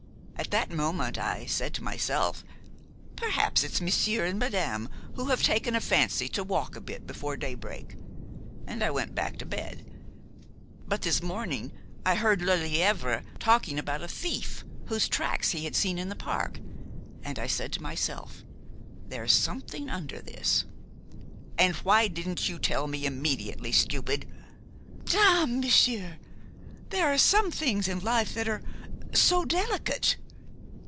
At that moment I said to myself: 'Perhaps it's monsieur and madame, who have taken a fancy to walk a bit before daybreak;' and I went back to bed. But this morning I heard Lelièvre talking about a thief whose tracks he had seen in the park, and I said to myself: 'There's something under this.' " "And why didn't you tell me immediately, stupid?" "Dame! monsieur, there are some things in life that are so delicate!